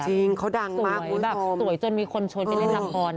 สวยจนมีคนฉดไปเล่นลังครน